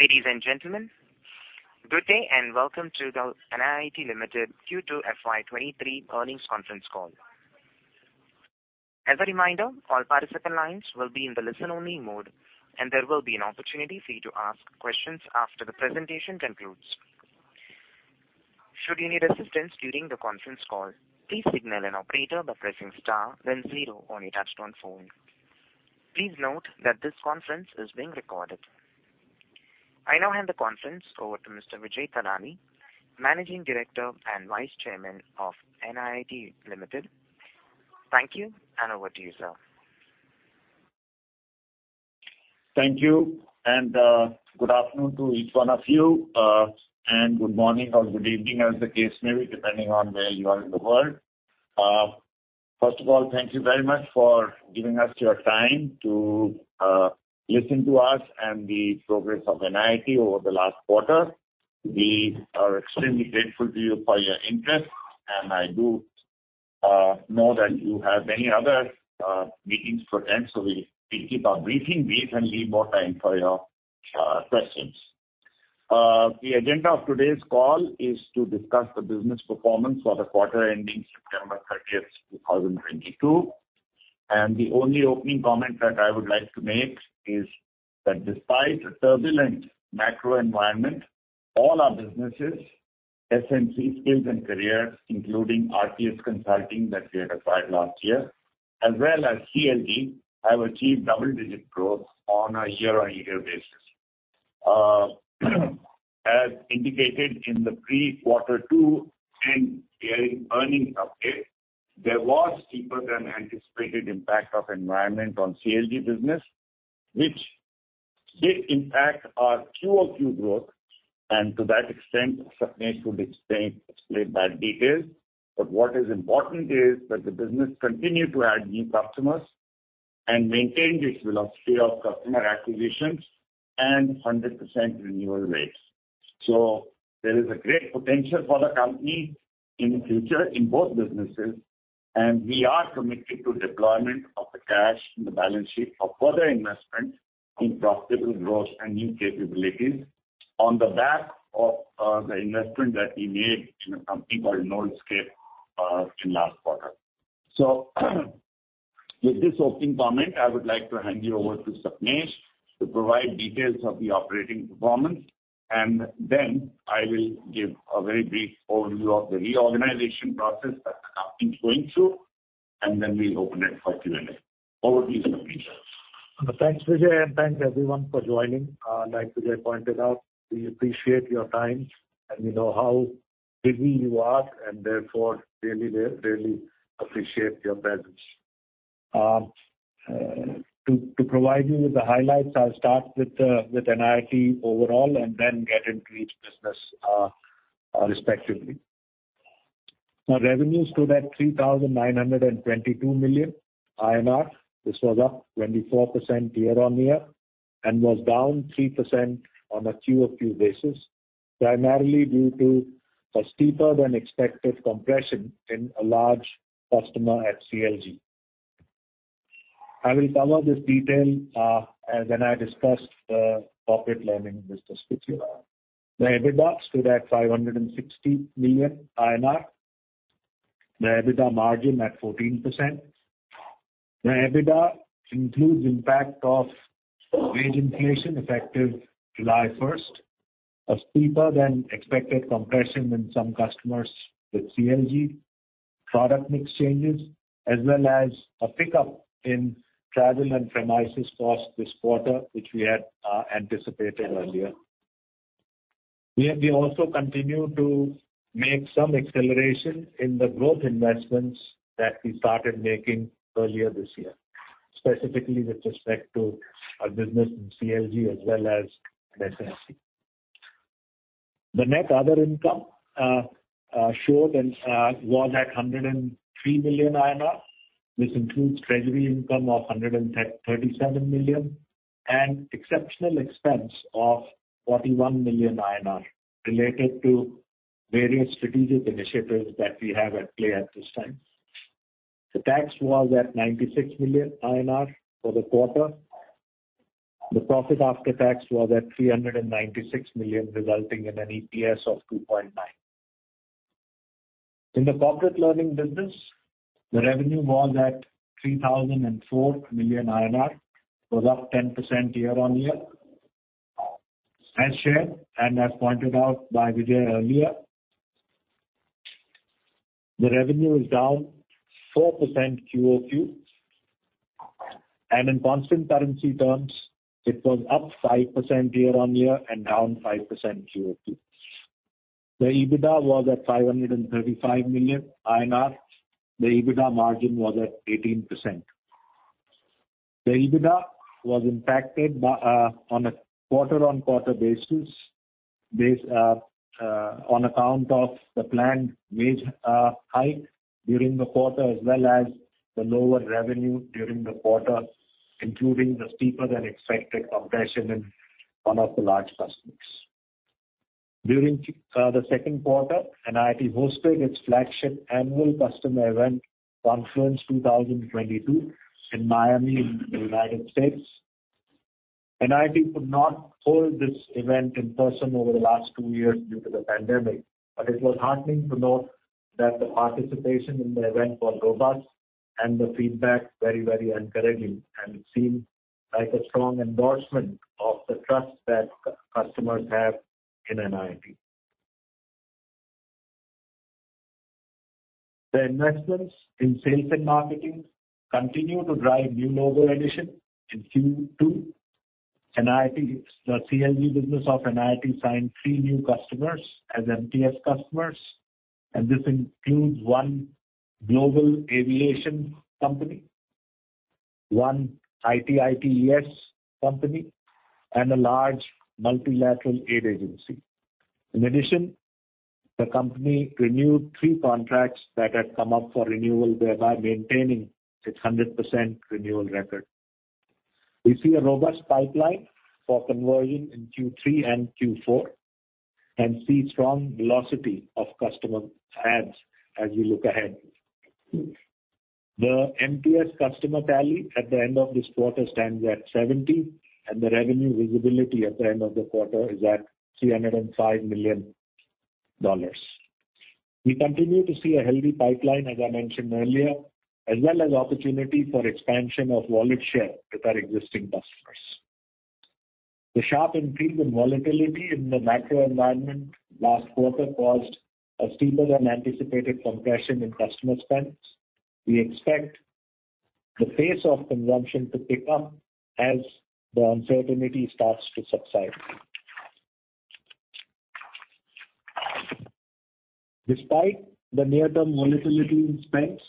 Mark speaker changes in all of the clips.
Speaker 1: Ladies and gentlemen, good day and welcome to the NIIT Limited Q2 FY23 earnings conference call. As a reminder, all participant lines will be in the listen-only mode, and there will be an opportunity for you to ask questions after the presentation concludes. Should you need assistance during the conference call, please signal an operator by pressing star then zero on your touchtone phone. Please note that this conference is being recorded. I now hand the conference over to Mr. Vijay Thadani, Managing Director and Vice Chairman of NIIT Limited. Thank you, and over to you, sir.
Speaker 2: Thank you, and good afternoon to each one of you, and good morning or good evening, as the case may be, depending on where you are in the world. First of all, thank you very much for giving us your time to listen to us and the progress of NIIT over the last quarter. We are extremely grateful to you for your interest, and I do know that you have many other meetings to attend, so we will keep our briefing brief and leave more time for your questions. The agenda of today's call is to discuss the business performance for the quarter ending September 13th, 2022. The only opening comment that I would like to make is that despite the turbulent macro environment, all our businesses, SNC, Skills & Careers, including RPS Consulting that we had acquired last year, as well as CLG, have achieved double-digit growth on a year-on-year basis. As indicated in the pre-Q2 earnings update, there was steeper than anticipated impact of environment on CLG business, which did impact our QoQ growth. To that extent, Sapnesh would explain that detail. What is important is that the business continued to add new customers and maintain its velocity of customer acquisitions and 100% renewal rates. There is a great potential for the company in the future in both businesses, and we are committed to deployment of the cash in the balance sheet of further investment in profitable growth and new capabilities on the back of the investment that we made in a company called KNOLSKAPE in last quarter. With this opening comment, I would like to hand you over to Sapnesh to provide details of the operating performance. Then I will give a very brief overview of the reorganization process that the company is going through, and then we'll open it for Q&A. Over to you, Sapnesh.
Speaker 3: Thanks, Vijay, and thanks everyone for joining. Like Vijay pointed out, we appreciate your time, and we know how busy you are and therefore really, really appreciate your presence. To provide you with the highlights, I'll start with NIIT overall and then get into each business respectively. Revenues stood at 3,922 million. This was up 24% year-over-year and was down 3% on a QoQ basis, primarily due to a steeper than expected compression in a large customer at CLG. I will cover this detail when I discuss the corporate learning business with you. The EBITDA stood at 560 million INR. The EBITDA margin at 14%. The EBITDA includes impact of wage inflation effective July 1st, a steeper than expected compression in some customers with CLG, product mix changes, as well as a pickup in travel and premises costs this quarter, which we had anticipated earlier. We have also continued to make some acceleration in the growth investments that we started making earlier this year, specifically with respect to our business in CLG as well as SNC. The net other income was at 103 million. This includes treasury income of 137 million and exceptional expense of 41 million related to various strategic initiatives that we have at play at this time. The tax was at 96 million INR for the quarter. The profit after tax was at 396 million, resulting in an EPS of 2.9. In the corporate learning business, the revenue was at 3,004 million. It was up 10% year-on-year. As shared and as pointed out by Vijay earlier, the revenue is down 4% QoQ. In constant currency terms, it was up 5% year-on-year and down 5% QoQ. The EBITDA was at 535 million INR. The EBITDA margin was at 18%. The EBITDA was impacted by, on a quarter-on-quarter basis, on account of the planned wage hike during the quarter, as well as the lower revenue during the quarter, including the steeper than expected compression in one of the large customers. During the second quarter, NIIT hosted its flagship annual customer event, Confluence 2022 in Miami in the United States. NIIT could not hold this event in person over the last two years due to the pandemic. It was heartening to note that the participation in the event was robust and the feedback very, very encouraging, and it seemed like a strong endorsement of the trust that customers have in NIIT. The investments in sales and marketing continue to drive new logo addition in Q2. NIIT. The CLG business of NIIT signed three new customers as MTS customers, and this includes one global aviation company, one IT/ITES company, and a large multilateral aid agency. In addition, the company renewed three contracts that had come up for renewal, thereby maintaining its 100% renewal record. We see a robust pipeline for conversion in Q3 and Q4, and see strong velocity of customer adds as we look ahead. The MTS customer tally at the end of this quarter stands at 70, and the revenue visibility at the end of the quarter is at $305 million. We continue to see a healthy pipeline, as I mentioned earlier, as well as opportunity for expansion of wallet share with our existing customers. The sharp increase in volatility in the macro environment last quarter caused a steeper than anticipated compression in customer spends. We expect the pace of consumption to pick up as the uncertainty starts to subside. Despite the near-term volatility in spends,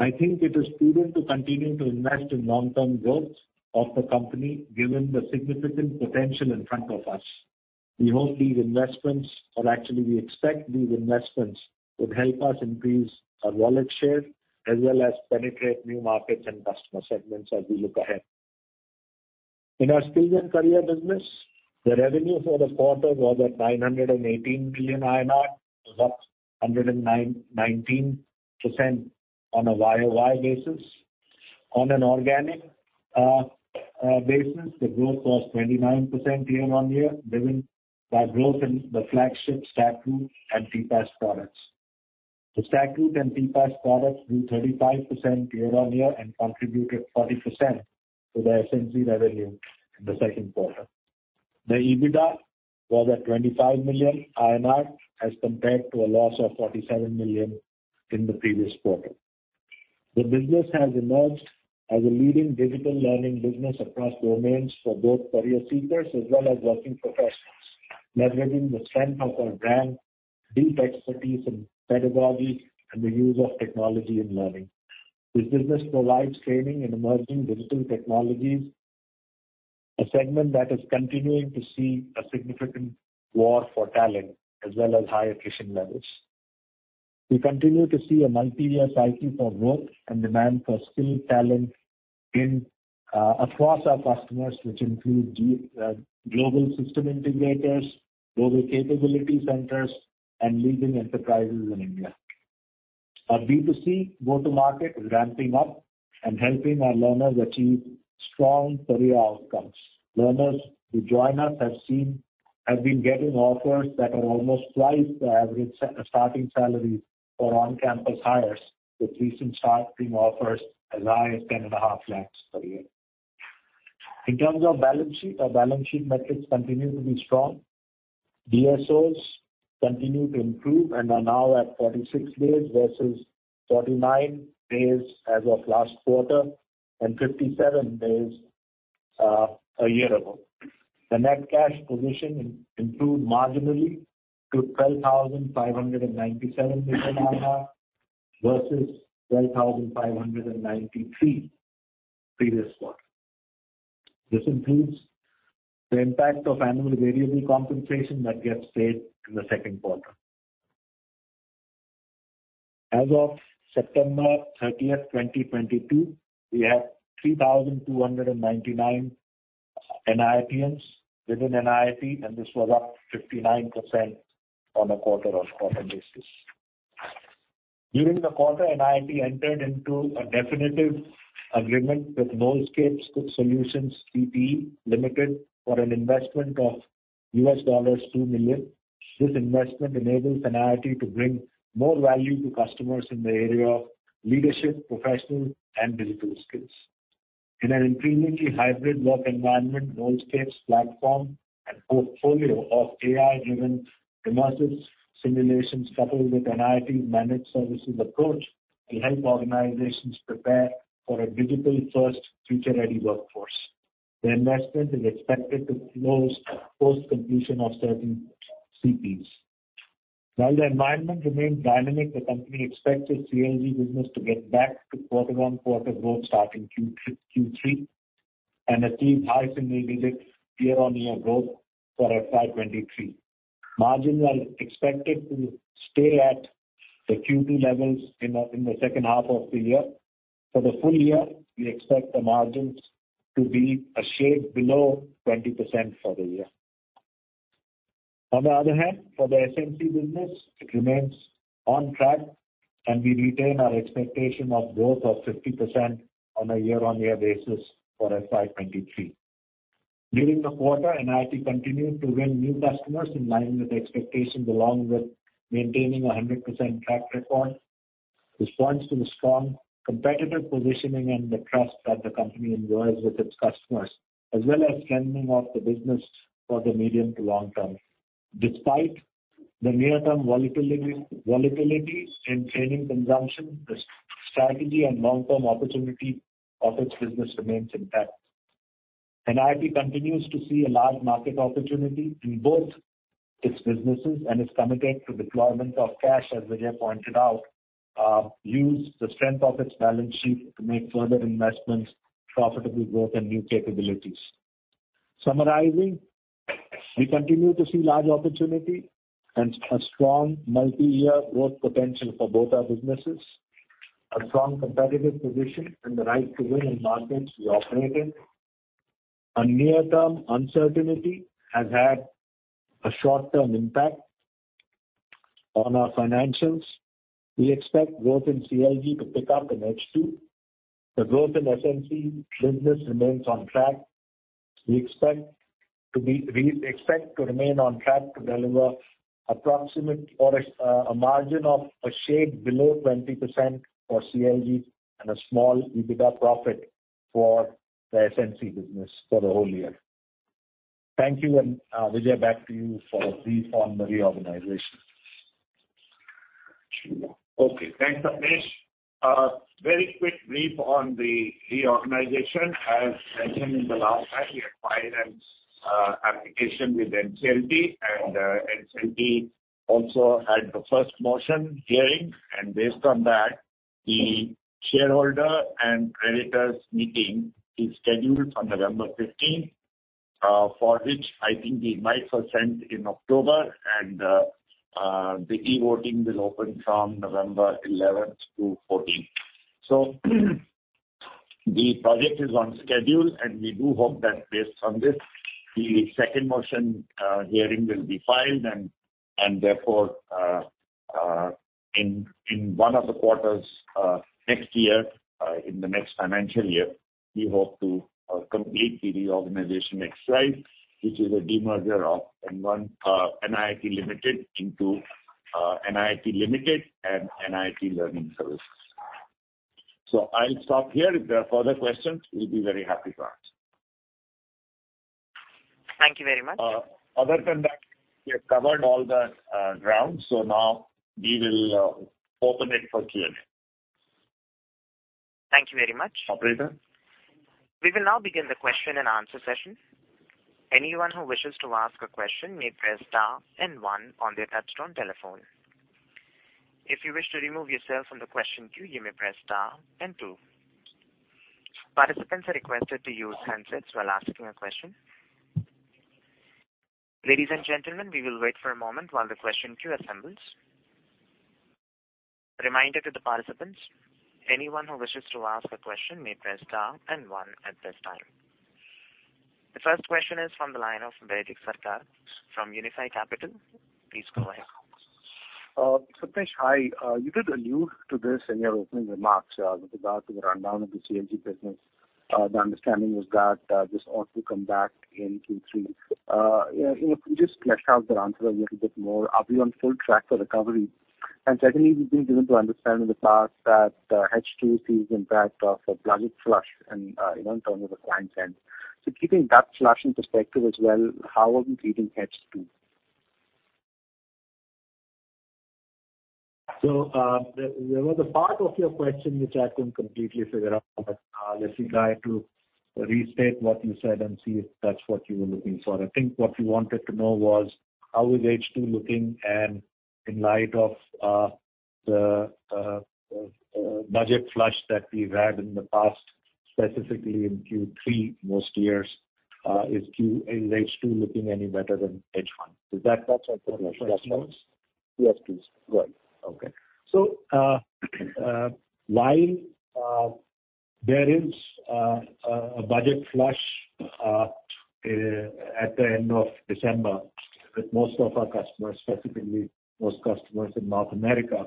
Speaker 3: I think it is prudent to continue to invest in long-term growth of the company, given the significant potential in front of us. We hope these investments, or actually we expect these investments would help us increase our wallet share, as well as penetrate new markets and customer segments as we look ahead. In our Skills and Careers business, the revenue for the quarter was 918 million INR. It was up 19% on a YoY basis. On an organic basis, the growth was 29% year-on-year, driven by growth in the flagship StackRoute and TPaaS products. The StackRoute and TPaaS products grew 35% year-on-year and contributed 40% to the SNC revenue in the second quarter. The EBITDA was 25 million INR, as compared to a loss of 47 million in the previous quarter. The business has emerged as a leading digital learning business across domains for both career seekers as well as working professionals, leveraging the strength of our brand, deep expertise in pedagogy, and the use of technology in learning. This business provides training in emerging digital technologies, a segment that is continuing to see a significant war for talent, as well as high attrition levels. We continue to see a multi-year cycle for growth and demand for skilled talent in across our customers, which include global system integrators, global capability centers, and leading enterprises in India. Our B2C go-to-market is ramping up and helping our learners achieve strong career outcomes. Learners who join us have been getting offers that are almost twice the average starting salary for on-campus hires, with recent starting offers as high as 10.5 lakhs per year. In terms of balance sheet, our balance sheet metrics continue to be strong. DSOs continue to improve and are now at 46 days, versus 49 days as of last quarter and 57 days a year ago. The net cash position improved marginally to 12,597 million INR, versus 12,593 million INR previous quarter. This includes the impact of annual variable compensation that gets paid in the second quarter. As of September 30, 2022, we have 3,299 NIITians within NIIT, and this was up 59% on a quarter-over-quarter basis. During the quarter, NIIT entered into a definitive agreement with KNOLSKAPE Solutions Pte. Ltd. for an investment of $2 million. This investment enables NIIT to bring more value to customers in the area of leadership, professional, and digital skills. In an increasingly hybrid work environment, KNOLSKAPE platform and portfolio of AI-driven immersive simulations, coupled with NIIT managed services approach, will help organizations prepare for a digital-first future-ready workforce. The investment is expected to close post completion of certain CPs. While the environment remains dynamic, the company expects its CLG business to get back to quarter-on-quarter growth starting Q3, and achieve high single digits year-on-year growth for FY 2023. Margins are expected to stay at the Q2 levels in the second half of the year. For the full year, we expect the margins to be a shade below 20% for the year. On the other hand, for the SNC business, it remains on track, and we retain our expectation of growth of 50% on a year-on-year basis for FY 2023. During the quarter, NIIT continued to win new customers in line with expectations, along with maintaining a 100% track record. This points to the strong competitive positioning and the trust that the company enjoys with its customers, as well as strengthening of the business for the medium to long term. Despite the near-term volatility in training consumption, the strategy and long-term opportunity of its business remains intact. NIIT continues to see a large market opportunity in both its businesses and is committed to deployment of cash, as Vijay pointed out, use the strength of its balance sheet to make further investments, profitable growth and new capabilities. Summarizing, we continue to see large opportunity and a strong multiyear growth potential for both our businesses. A strong competitive position and the right to win in markets we operate in. A near-term uncertainty has had a short term impact on our financials. We expect growth in CLG to pick up in H2. The growth in SNC business remains on track. We expect to remain on track to deliver approximate or a margin of a shade below 20% for CLG and a small EBITDA profit for the SNC business for the whole year. Thank you. Vijay, back to you for a brief on the reorganization.
Speaker 2: Sure. Okay, thanks, Sapnesh. Very quick brief on the reorganization. As mentioned in the last time, we had filed an application with NCLT, and NCLT also had the first motion hearing. Based on that, the shareholder and creditors meeting is scheduled for November fifteenth, for which I think the invites were sent in October. The e-voting will open from November 11 to 14. The project is on schedule, and we do hope that based on this, the second motion hearing will be filed and therefore in one of the quarters next year, in the next financial year, we hope to complete the reorganization exercise, which is a demerger of NIIT Limited into NIIT Limited and NIIT Learning Systems Limited. I'll stop here. If there are further questions, we'll be very happy to answer.
Speaker 1: Thank you very much.
Speaker 3: Other than that, we have covered all the ground. Now we will open it for Q&A.
Speaker 1: Thank you very much.
Speaker 3: Operator.
Speaker 1: We will now begin the question-and-answer session. Anyone who wishes to ask a question may press star and one on their touchtone telephone. If you wish to remove yourself from the question queue, you may press star and two. Participants are requested to use handsets while asking a question. Ladies and gentlemen, we will wait for a moment while the question queue assembles. A reminder to the participants, anyone who wishes to ask a question may press star and one at this time. The first question is from the line of Baidik Sarkar from Unifi Capital. Please go ahead.
Speaker 4: Sapnesh, hi. You did allude to this in your opening remarks, with regard to the rundown of the CLG business. The understanding was that, this ought to come back in Q3. You know, if you just flesh out the answer a little bit more. Are we on full track for recovery? Secondly, we've been given to understand in the past that, H2 sees impact of a budget flush and, you know, in terms of the client end. Keeping that flush in perspective as well, how are we treating H2?
Speaker 3: There was a part of your question which I couldn't completely figure out. Let me try to restate what you said and see if that's what you were looking for. I think what you wanted to know was how is H2 looking? In light of the budget flush that we've had in the past, specifically in Q3 most years, is H2 looking any better than H1? Is that?
Speaker 4: That's right.
Speaker 3: the question?
Speaker 4: Yes, please. Go ahead.
Speaker 3: Okay. While there is a budget flush at the end of December with most of our customers, specifically most customers in North America.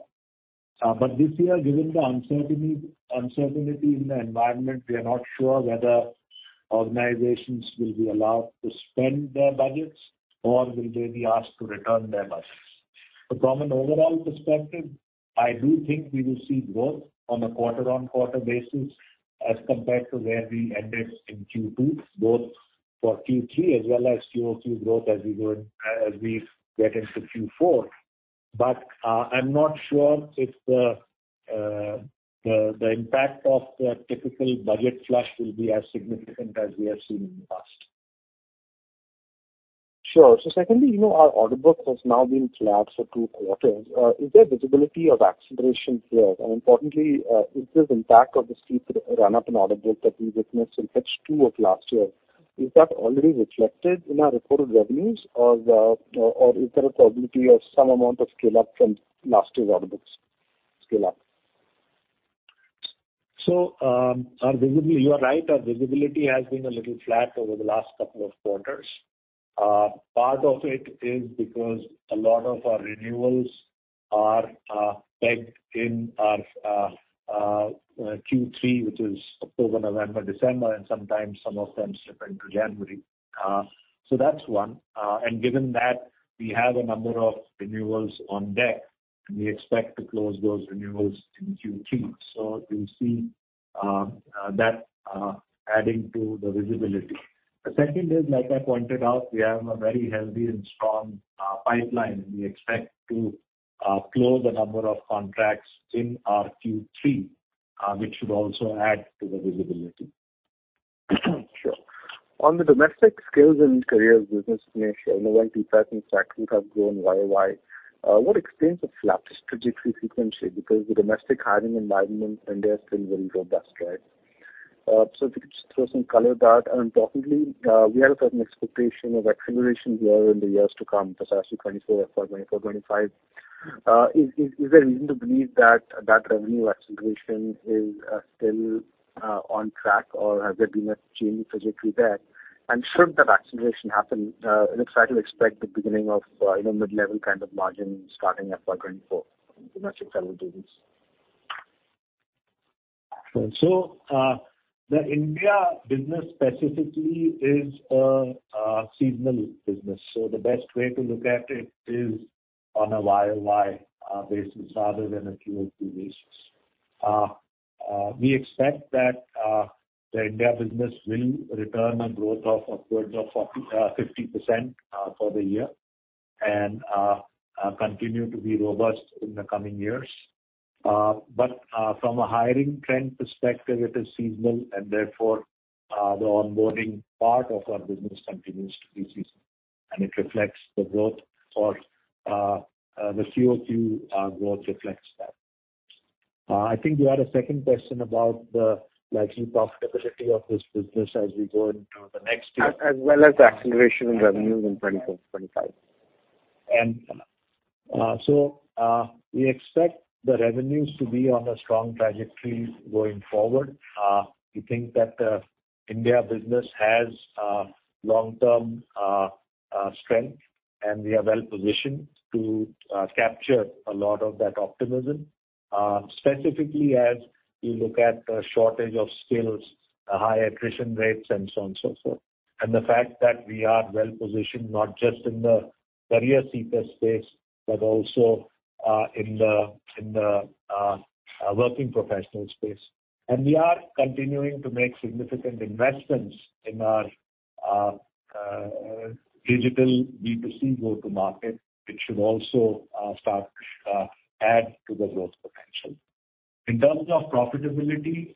Speaker 3: This year, given the uncertainty in the environment, we are not sure whether organizations will be allowed to spend their budgets or will they be asked to return their budgets. From an overall perspective, I do think we will see growth on a quarter-on-quarter basis as compared to where we ended in Q2, both for Q3 as well as QoQ growth as we get into Q4. I'm not sure if the impact of the typical budget flush will be as significant as we have seen in the past.
Speaker 4: Sure. Secondly, you know, our order book has now been flat for two quarters. Is there visibility of acceleration here? Importantly, is this impact of the steep run-up in order book that we witnessed in H2 of last year, is that already reflected in our reported revenues or is there a possibility of some amount of scale-up from last year's order books scale-up?
Speaker 3: You are right, our visibility has been a little flat over the last couple of quarters. Part of it is because a lot of our renewals are pegged in our Q3, which is October, November, December, and sometimes some of them slip into January. That's one. Given that we have a number of renewals on deck, and we expect to close those renewals in Q3. You'll see that adding to the visibility. The second is, like I pointed out, we have a very healthy and strong pipeline, and we expect to close a number of contracts in our Q3, which should also add to the visibility.
Speaker 4: Sure. On the domestic Skills & Careers business, SNC, you know, when placements and sectors have grown YoY, what explains the flat trajectory in Q3? Because the domestic hiring environment in India is still very robust, right? If you could just throw some color at that. Importantly, we had a certain expectation of acceleration here in the years to come, precisely 2024, 2025. Is there reason to believe that that revenue acceleration is still on track, or has there been a change in trajectory there? Should that acceleration happen, if so, I do expect the beginning of, you know, mid-level kind of margin starting FY 2024 in the domestic SNC business.
Speaker 3: The India business specifically is a seasonal business, so the best way to look at it is on a YoY basis rather than a QoQ basis. We expect that the India business will return to growth of upwards of 40%-50% for the year and continue to be robust in the coming years. From a hiring trend perspective, it is seasonal and therefore the onboarding part of our business continues to be seasonal, and it reflects the growth or the QoQ growth reflects that. I think you had a second question about the likely profitability of this business as we go into the next year.
Speaker 2: As well as acceleration in revenues in 2024, 2025.
Speaker 3: We expect the revenues to be on a strong trajectory going forward. We think that the India business has long-term strength, and we are well-positioned to capture a lot of that optimism, specifically as we look at the shortage of skills, the high attrition rates and so on and so forth. The fact that we are well-positioned not just in the career seeker space but also in the working professional space. We are continuing to make significant investments in our digital B2C go-to-market, which should also start to add to the growth potential. In terms of profitability,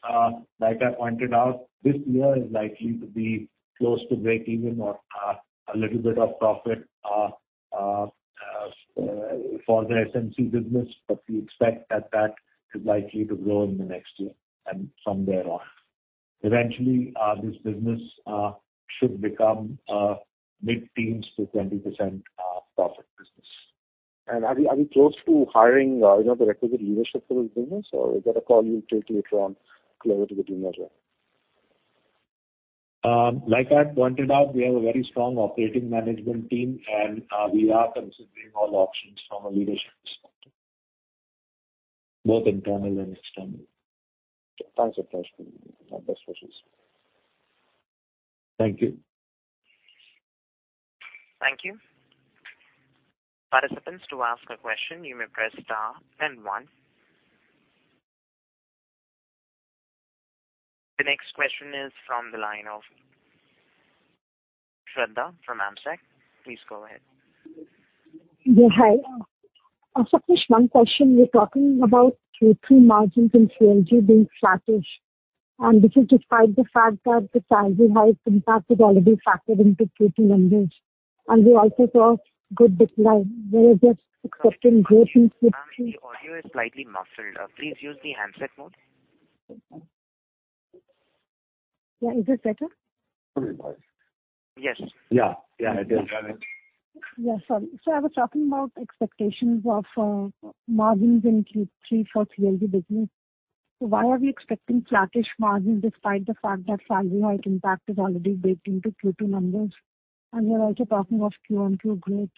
Speaker 3: like I pointed out, this year is likely to be close to breakeven or a little bit of profit for the SNC business, but we expect that is likely to grow in the next year and from there on. Eventually, this business should become a mid-teens to 20% profit business.
Speaker 4: Are we close to hiring, you know, the requisite leadership for this business, or is that a call you'll take later on closer to the?
Speaker 3: Like I pointed out, we have a very strong operating management team, and we are considering all options from a leadership perspective, both internal and external.
Speaker 4: Thanks, Sapnesh Lalla. My best wishes.
Speaker 3: Thank you.
Speaker 1: Thank you. Participants, to ask a question you may press star then one. The next question is from the line of Shraddha from Amsec. Please go ahead.
Speaker 5: Yeah, hi. Sapnesh, one question. You're talking about Q3 margins in CLG being flattish, and this is despite the fact that the salary hike impact is already factored into Q2 numbers. We also saw good decline. We were just expecting growth in Q3.
Speaker 1: Ma'am, the audio is slightly muffled. Please use the handset mode.
Speaker 5: Yeah. Is this better?
Speaker 3: A little better.
Speaker 1: Yes.
Speaker 3: Yeah. Yeah, it is.
Speaker 5: I was talking about expectations of margins in Q3 for CLG business. Why are we expecting flattish margins despite the fact that salary hike impact is already baked into Q2 numbers? We are also talking of QoQ growth.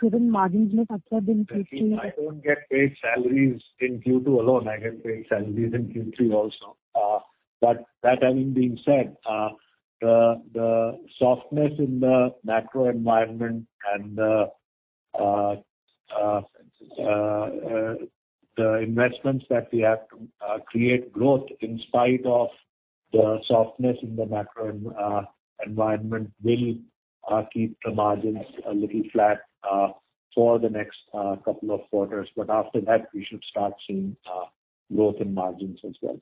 Speaker 5: Shouldn't margins look upward in Q3?
Speaker 3: I don't get paid salaries in Q2 alone. I get paid salaries in Q3 also. That having been said, the softness in the macro environment and the investments that we have to create growth in spite of the softness in the macro environment will keep the margins a little flat for the next couple of quarters. After that, we should start seeing growth in margins as well.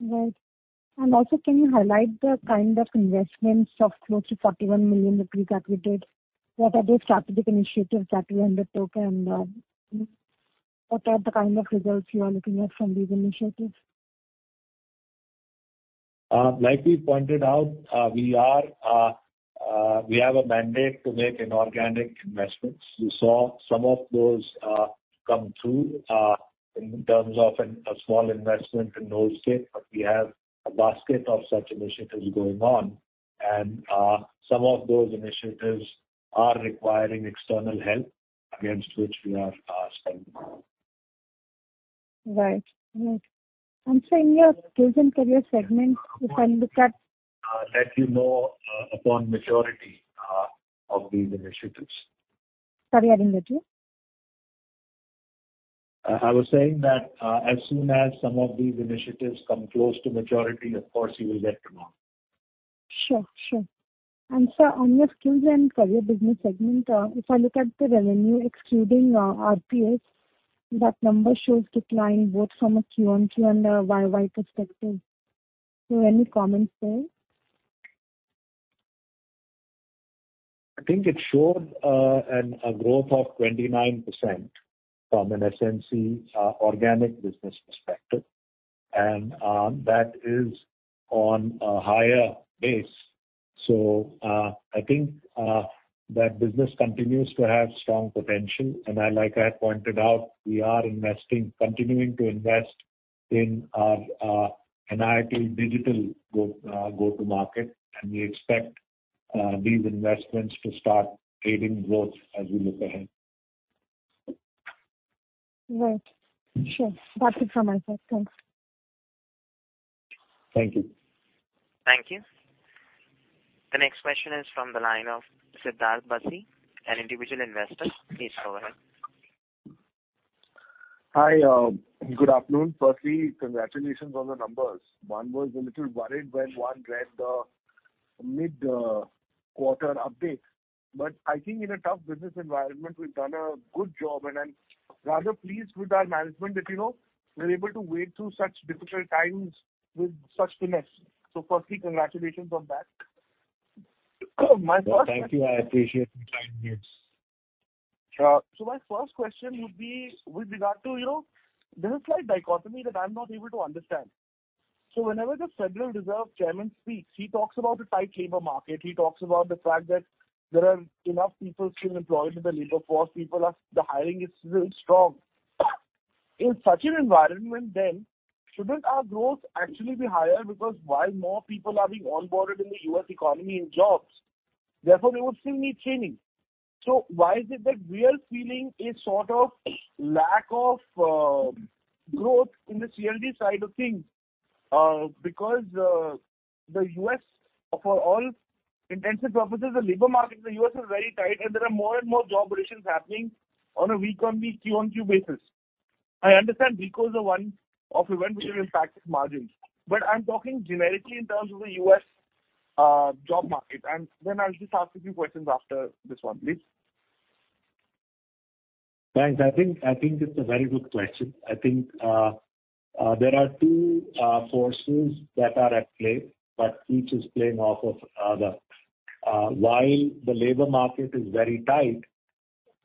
Speaker 5: Right. Can you highlight the kind of investments of close to 41 million rupees that we did? What are those strategic initiatives that we undertook? What are the kind of results you are looking at from these initiatives?
Speaker 3: Like we pointed out, we have a mandate to make inorganic investments. You saw some of those come through. We have a basket of such initiatives going on, and some of those initiatives are requiring external help against which we are asking.
Speaker 5: Right. Sir, in your Skills and Careers segment, if I look at.
Speaker 3: Let you know, upon maturity, of these initiatives.
Speaker 5: Sorry, I didn't get you.
Speaker 3: I was saying that, as soon as some of these initiatives come close to maturity, of course, you will get to know.
Speaker 5: Sure. Sir, on your Skills & Careers business segment, if I look at the revenue excluding RPS, that number shows decline both from a QoQ and a YoY perspective. Any comments there?
Speaker 3: I think it showed a growth of 29% from an SNC organic business perspective. That is on a higher base. I think that business continues to have strong potential. Like I had pointed out, we are investing, continuing to invest in NIIT digital go-to-market, and we expect these investments to start creating growth as we look ahead.
Speaker 5: Right. Sure. That's it from my side. Thanks.
Speaker 3: Thank you.
Speaker 1: Thank you. The next question is from the line of Siddharth Basi, an individual investor. Please go ahead.
Speaker 6: Hi. Good afternoon. Firstly, congratulations on the numbers. One was a little worried when one read the mid-quarter update. I think in a tough business environment, we've done a good job, and I'm rather pleased with our management that, you know, we're able to wade through such difficult times with such finesse. Firstly, congratulations on that. My first-
Speaker 3: Well, thank you. I appreciate your kind words.
Speaker 6: Sure. My first question would be with regard to your. There's a slight dichotomy that I'm not able to understand. Whenever the Federal Reserve chairman speaks, he talks about a tight labor market. He talks about the fact that there are enough people still employed in the labor force. The hiring is still strong. In such an environment then, shouldn't our growth actually be higher because while more people are being onboarded in the U.S. economy in jobs, therefore they would still need training. Why is it that we are feeling a sort of lack of growth in the CLG side of things? Because the U.S., for all intents and purposes, the labor market in the U.S. is very tight and there are more and more job rotations happening on a week-on-week, Q-on-Q basis. I understand RECO is the one-off event which will impact its margins. I'm talking generically in terms of the U.S., job market. Then I'll just ask a few questions after this one, please.
Speaker 3: Thanks. I think it's a very good question. I think there are two forces that are at play, but each is playing off of other. While the labor market is very tight,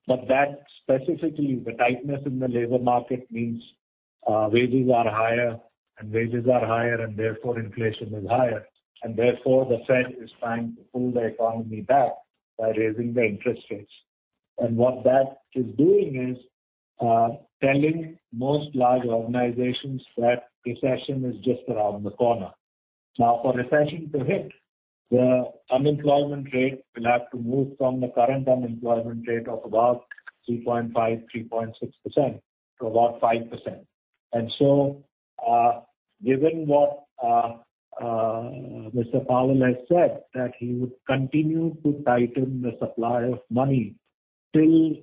Speaker 3: but that specifically the tightness in the labor market means wages are higher and therefore inflation is higher, and therefore the Federal Reserve is trying to pull the economy back by raising the interest rates. What that is doing is telling most large organizations that recession is just around the corner. Now, for recession to hit, the unemployment rate will have to move from the current unemployment rate of about 3.5-3.6% to about 5%. Powell has said that he would continue to tighten the supply of money till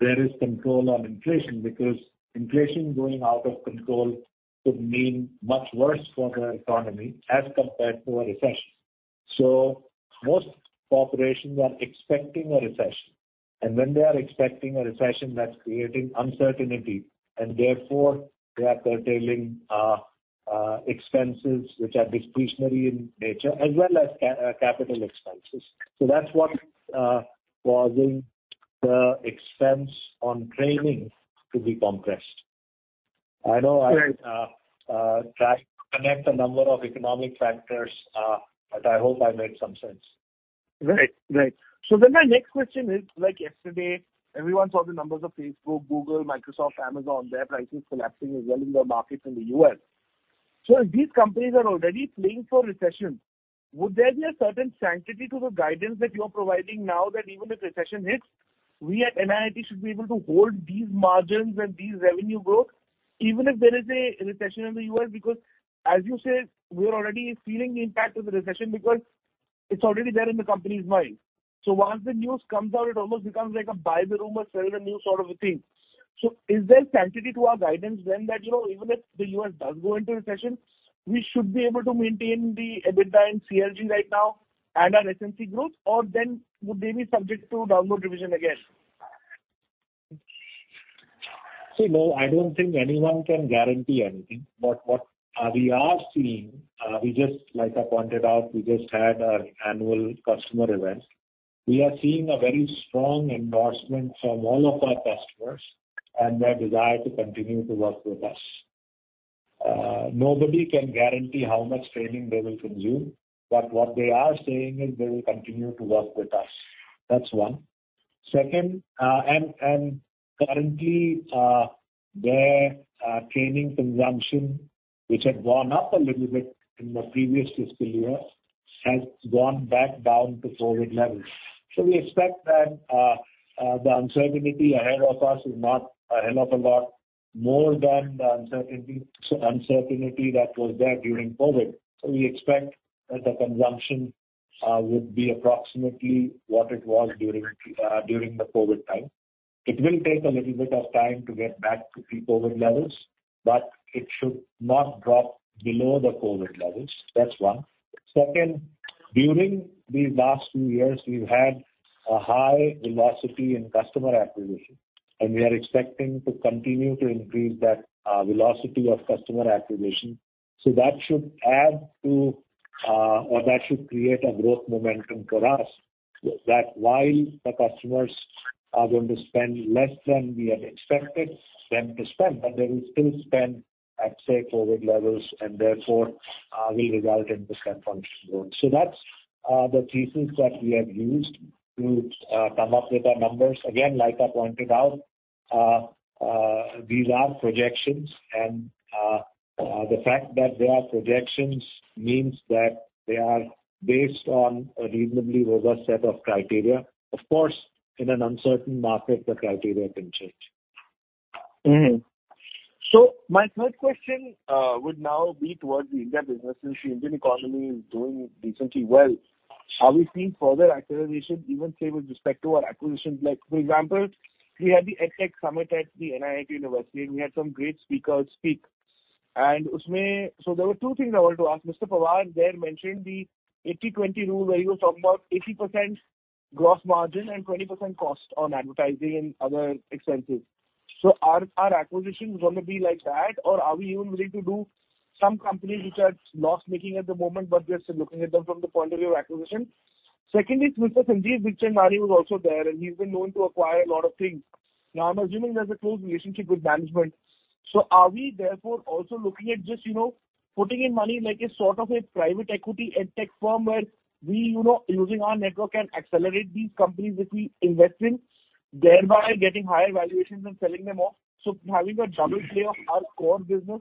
Speaker 3: there is control on inflation, because inflation going out of control could mean much worse for the economy as compared to a recession. Most corporations are expecting a recession. When they are expecting a recession, that's creating uncertainty, and therefore they are curtailing expenses which are discretionary in nature as well as capital expenses. That's what causing the expense on training to be compressed. I know I tried to connect a number of economic factors, but I hope I made some sense.
Speaker 6: Right. Right. My next question is, like yesterday, everyone saw the numbers of Meta, Google, Microsoft, Amazon, their prices collapsing as well in the markets in the U.S. If these companies are already planning for recession, would there be a certain sanctity to the guidance that you're providing now that even if recession hits, we at NIIT should be able to hold these margins and these revenue growth, even if there is a recession in the U.S.? Because as you said, we're already feeling the impact of the recession because it's already there in the company's mind. Once the news comes out, it almost becomes like a buy the rumor, sell the news sort of a thing. Is there sanctity to our guidance then that, you know, even if the US does go into recession, we should be able to maintain the EBITDA and CLG right now and our SNC growth? Then would they be subject to downward revision again?
Speaker 3: No, I don't think anyone can guarantee anything. What we are seeing, like I pointed out, we just had our annual customer event. We are seeing a very strong endorsement from all of our customers and their desire to continue to work with us. Nobody can guarantee how much training they will consume, but what they are saying is they will continue to work with us. That's one. Second, and currently, their training consumption, which had gone up a little bit in the previous fiscal year, has gone back down to COVID levels. We expect that the uncertainty ahead of us is not a hell of a lot more than the uncertainty that was there during COVID. We expect that the consumption would be approximately what it was during the COVID time. It will take a little bit of time to get back to pre-COVID levels, but it should not drop below the COVID levels. That's one. Second, during these last two years, we've had a high velocity in customer acquisition, and we are expecting to continue to increase that, velocity of customer acquisition. That should create a growth momentum for us, that while the customers are going to spend less than we had expected them to spend, but they will still spend at, say, COVID levels and therefore, will result in the step function growth. That's the reasons that we have used to, come up with our numbers. Again, like I pointed out, these are projections, and, the fact that they are projections means that they are based on a reasonably robust set of criteria. Of course, in an uncertain market, the criteria can change.
Speaker 6: Mm-hmm. My third question would now be towards the India business, since the Indian economy is doing decently well. Are we seeing further acceleration even, say, with respect to our acquisitions? Like, for example, we had the EdTech summit at the NIIT University, and we had some great speakers speak. There were two things I wanted to ask. Mr. Pawar there mentioned the 80/20 rule, where he was talking about 80% gross margin and 20% cost on advertising and other expenses. Are acquisitions gonna be like that, or are we even willing to do some companies which are loss-making at the moment, but we are still looking at them from the point of view of acquisition? Secondly, Mr. Sanjeev Bikhchandani was also there, and he's been known to acquire a lot of things. Now, I'm assuming there's a close relationship with management. Are we therefore also looking at just, you know, putting in money like a sort of a private equity EdTech firm where we, you know, using our network, can accelerate these companies which we invest in, thereby getting higher valuations and selling them off? Having a double play of our core business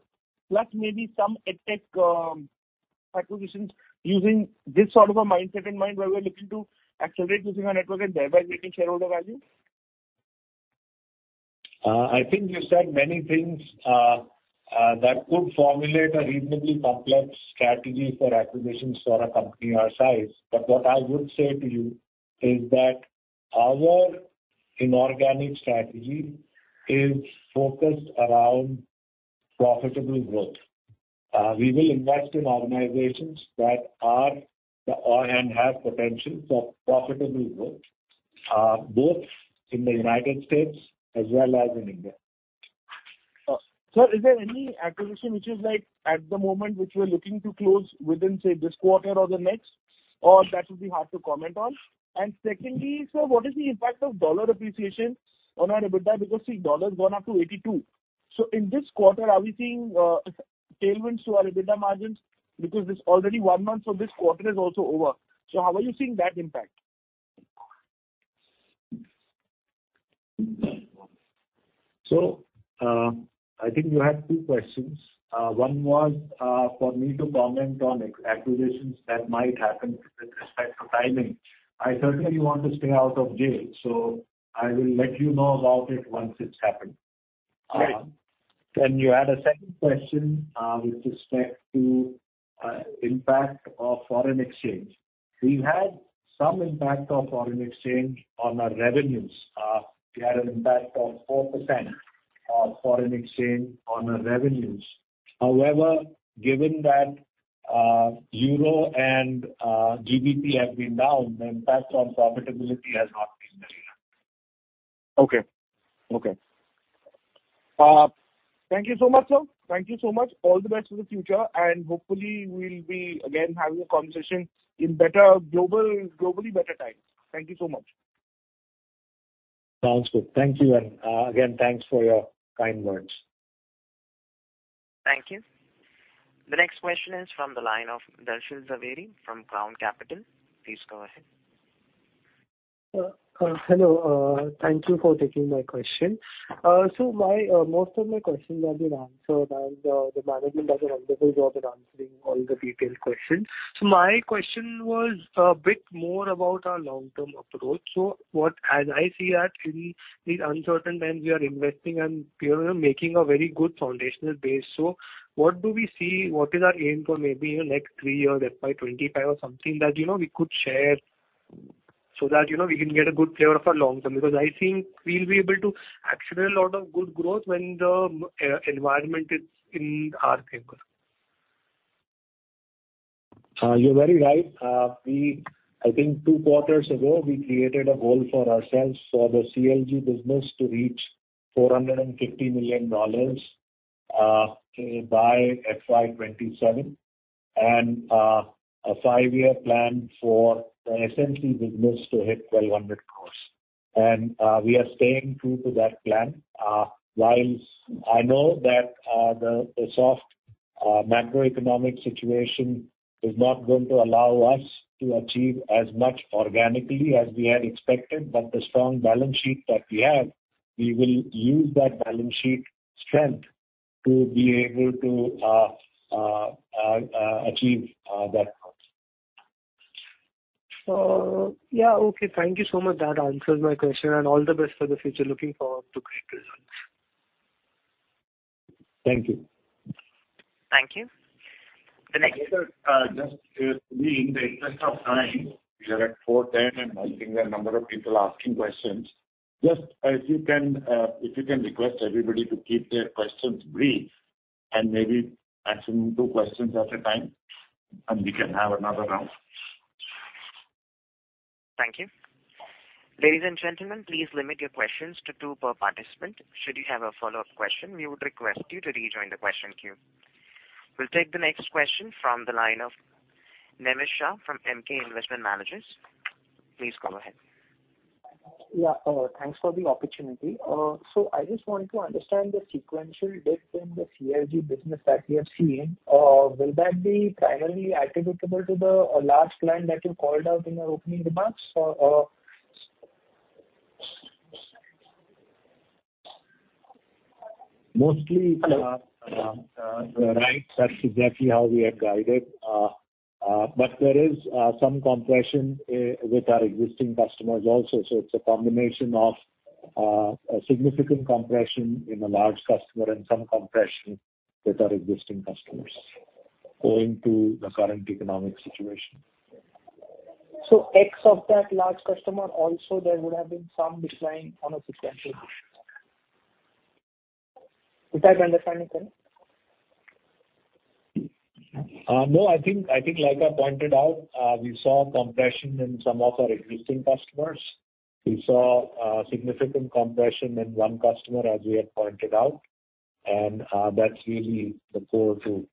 Speaker 6: plus maybe some EdTech acquisitions using this sort of a mindset in mind where we're looking to accelerate using our network and thereby making shareholder value.
Speaker 3: I think you said many things that could formulate a reasonably complex strategy for acquisitions for a company our size. What I would say to you is that our inorganic strategy is focused around profitable growth. We will invest in organizations that are and have potential for profitable growth, both in the United States as well as in India.
Speaker 6: Sir, is there any acquisition which is, like, at the moment, which we're looking to close within, say, this quarter or the next? Or that would be hard to comment on. Secondly, sir, what is the impact of dollar appreciation on our EBITDA? Because, see, dollar's gone up to 82. In this quarter, are we seeing tailwinds to our EBITDA margins? Because it's already one month, so this quarter is also over. How are you seeing that impact?
Speaker 3: I think you had two questions. One was for me to comment on acquisitions that might happen with respect to timing. I certainly want to stay out of jail, so I will let you know about it once it's happened.
Speaker 6: Great.
Speaker 3: You had a second question with respect to impact of foreign exchange. We've had some impact of foreign exchange on our revenues. We had an impact of 4% of foreign exchange on our revenues. However, given that euro and GBP have been down, the impact on profitability has not been very high.
Speaker 6: Thank you so much, sir. Thank you so much. All the best for the future, and hopefully we'll be again having a conversation in globally better times. Thank you so much.
Speaker 3: Sounds good. Thank you. Again, thanks for your kind words.
Speaker 1: Thank you. The next question is from the line of Darshil Jhaveri from Crown Capital. Please go ahead.
Speaker 7: Hello. Thank you for taking my question. Most of my questions have been answered, and the management has a wonderful job at answering all the detailed questions. My question was a bit more about our long-term approach. As I see that in these uncertain times, we are investing and, you know, making a very good foundational base. What do we see? What is our aim for maybe in the next three years, FY 2025 or something that, you know, we can share so that, you know, we can get a good flavor of our long-term? Because I think we'll be able to accelerate a lot of good growth when the economic environment is in our favor.
Speaker 3: You're very right. I think two quarters ago, we created a goal for ourselves for the CLG business to reach $450 million by FY 2027. A five-year plan for the SNC business to hit 1,200 crores. We are staying true to that plan. While I know that the soft macroeconomic situation is not going to allow us to achieve as much organically as we had expected, but the strong balance sheet that we have, we will use that balance sheet strength to be able to achieve that.
Speaker 7: Yeah. Okay. Thank you so much. That answers my question. All the best for the future. Looking forward to great results.
Speaker 3: Thank you.
Speaker 1: Thank you.
Speaker 2: In the interest of time, we are at 4:10 P.M., and I think there are a number of people asking questions. Just if you can request everybody to keep their questions brief and maybe ask them two questions at a time, and we can have another round.
Speaker 1: Thank you. Ladies and gentlemen, please limit your questions to two per participant. Should you have a follow-up question, we would request you to rejoin the question queue. We'll take the next question from the line of Nemish Shah from Emkay Investment Managers. Please go ahead.
Speaker 8: Thanks for the opportunity. I just want to understand the sequential dip in the CLG business that we have seen. Will that be primarily attributable to the large client that you called out in your opening remarks or?
Speaker 3: Mostly, right. That's exactly how we are guided. There is some compression with our existing customers also. It's a combination of a significant compression in a large customer and some compression with our existing customers owing to the current economic situation.
Speaker 8: X of that large customer also there would have been some decline on a sequential basis. Is that understanding correct?
Speaker 3: No, I think like I pointed out, we saw compression in some of our existing customers. We saw significant compression in one customer, as we had pointed out. That's really the core to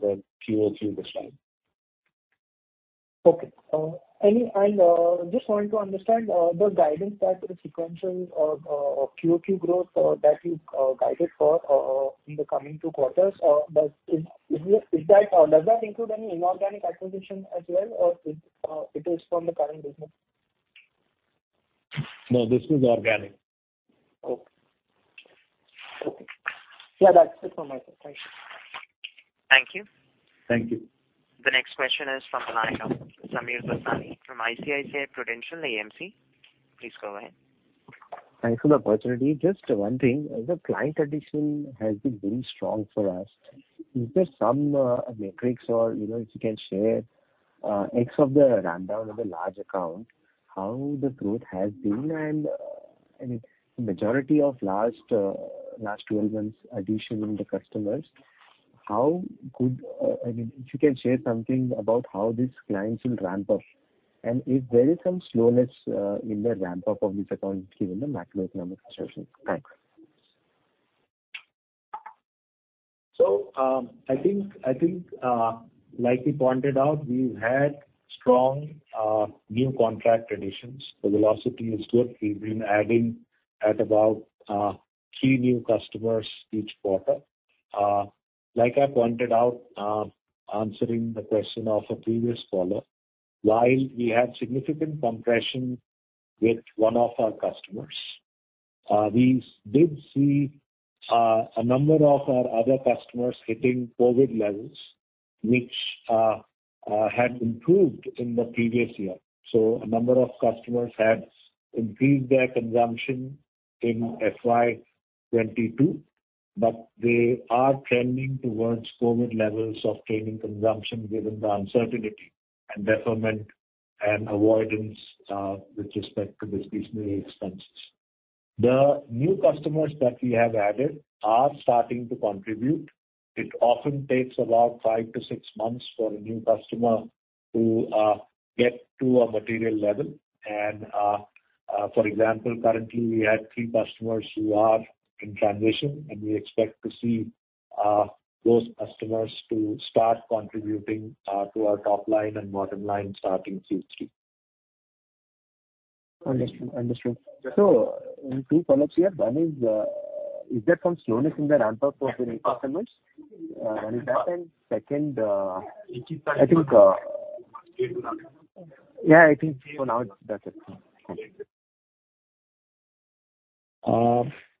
Speaker 3: the QoQ decline.
Speaker 8: Okay. I just wanted to understand the guidance that the sequential QoQ growth that you guided for in the coming two quarters. Does that include any inorganic acquisition as well, or is it from the current business?
Speaker 3: No, this is organic.
Speaker 8: Okay. Yeah, that's it from my side. Thank you.
Speaker 1: Thank you.
Speaker 3: Thank you.
Speaker 1: The next question is from the line of Sameer Dosani from ICICI Prudential AMC. Please go ahead.
Speaker 9: Thanks for the opportunity. Just one thing. The client addition has been really strong for us. Is there some metrics or, you know, if you can share extent of the ramp down of the large account, how the growth has been and, I mean, the majority of last 12 months addition in the customers. If you can share something about how these clients will ramp up and if there is some slowness in the ramp up of this account given the macroeconomic situation. Thanks.
Speaker 3: I think like we pointed out, we've had strong new contract additions. The velocity is good. We've been adding about 3 new customers each quarter. Like I pointed out, answering the question of a previous caller, while we had significant compression with one of our customers, we did see a number of our other customers hitting COVID levels, which had improved in the previous year. A number of customers had increased their consumption in FY 2022, but they are trending towards COVID levels of training consumption given the uncertainty and deferment and avoidance with respect to discretionary expenses. The new customers that we have added are starting to contribute. It often takes about five to six months for a new customer to get to a material level. For example, currently we have three customers who are in transition, and we expect to see those customers to start contributing to our top line and bottom line starting Q3.
Speaker 9: Understood. Two follow-ups here. One is there some slowness in the ramp up of the new customers? That's one, and second, I think for now that's it. Thanks.